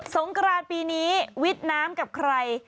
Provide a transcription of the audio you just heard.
งกรานปีนี้วิทย์น้ำกับใคร